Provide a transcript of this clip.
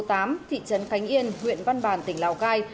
thị trấn khánh yên huyện văn bàn tỉnh lào cai